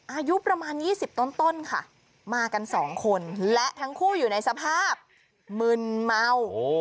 อายุประมาณ๒๐ต้นค่ะมากันสองคนและทั้งคู่อยู่ในสภาพมึนเมา